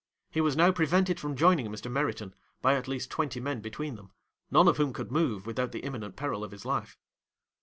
He was now prevented from joining Mr. Meriton, by at least twenty men between them, none of whom could move, without the imminent peril of his life.